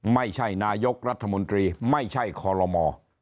ไม่ใช่นายกรัฐมนตรีไม่ใช่คอลโลม